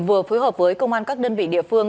vừa phối hợp với công an các đơn vị địa phương